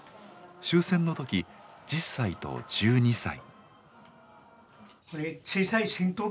終戦の時１０歳と１２歳。